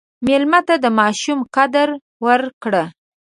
مېلمه ته د ماشوم قدر ورکړه.